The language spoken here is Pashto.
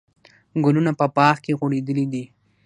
ګلونه په باغ کې غوړېدلي دي.